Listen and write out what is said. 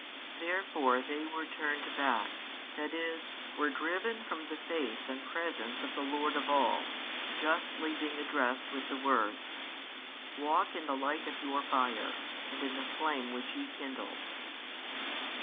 Therefore they were turned back, that is, were driven from the face and presence of the Lord of all, justly being addressed with the words: Walk in the light of your fire, and in the flame which ye kindled.